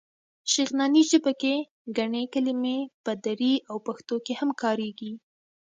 شغناني ژبه کې ګڼې کلمې په دري او پښتو کې هم کارېږي.